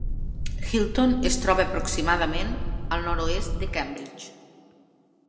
Hilton es troba aproximadament al nord-oest de Cambridge.